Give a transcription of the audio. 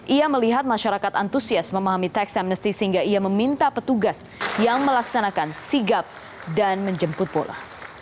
ia melihat masyarakat antusias memahami tax amnesty sehingga ia meminta petugas yang melaksanakan sigap dan menjemput bola